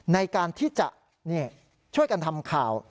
ในการที่จะช่วยกันทำข่าว